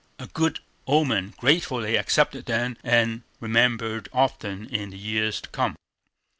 A good omen, gratefully accepted then, and remembered often in the years to come.